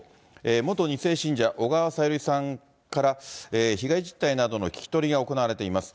元２世信者、小川さゆりさんから、被害実態などの聞き取りが行われています。